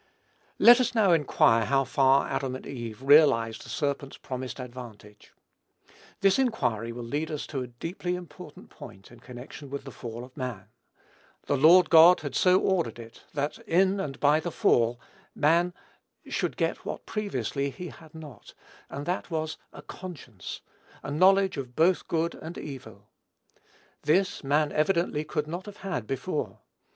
Let us now inquire how far Adam and Eve realized the serpent's promised advantage. This inquiry will lead us to a deeply important point in connection with the fall of man. The Lord God had so ordered it, that in and by the fall, man should get what previously he had not, and that was a conscience, a knowledge of both good and evil. This, man evidently could not have had before.